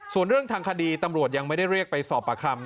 ส่วนเรื่องทางคดีตำรวจยังไม่ได้เรียกไปสอบประคำ